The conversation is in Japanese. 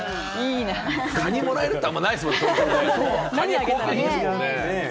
カニもらえるってあんまりないですもん、東京で。